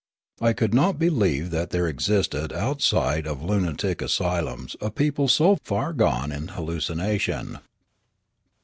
I could not believe that there existed outside of lunatic asylums a people so far gone in hallucination.